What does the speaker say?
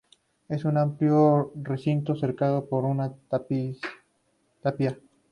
Es un amplio recinto cercado por una tapia.